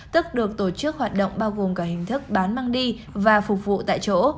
tức được tổ chức hoạt động bao gồm cả hình thức bán mang đi và phục vụ tại chỗ